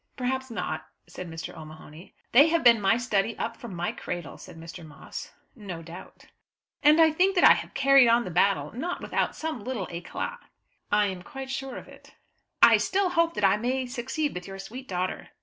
"Perhaps not," said Mr. O'Mahony. "They have been my study up from my cradle," said Mr. Moss. "No doubt." "And I think that I have carried on the battle not without some little éclat." "I am quite sure of it." "I still hope that I may succeed with your sweet daughter."